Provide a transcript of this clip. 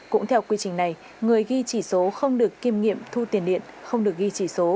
cụ thể evn bổ sung hai bước trong quy trình ghi chỉ số